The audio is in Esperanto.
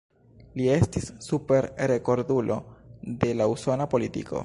Li estis "Super-rekordulo" de la usona politiko.